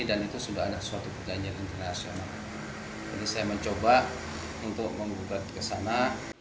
dan sudah ada seperti perjanjian internasional jadi saya mencoba untuk allot ke sana